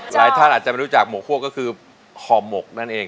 หลายท่านอาจจะไม่รู้จักหมกคั่วก็คือห่อหมกนั่นเอง